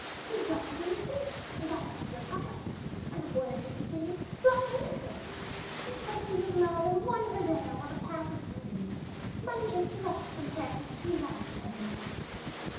He dropped it in the street, and got out to recover it. And before they could continue the blockade occurred. He spoke to his love and won her there while the cab was hemmed in. Money is dross compared with true love, Anthony."